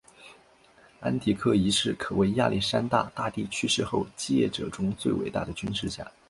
安提柯一世可谓亚历山大大帝去世后继业者中最伟大的军事家。